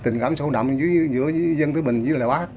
làm sâu nằm giữa dân thứ bình với lại bác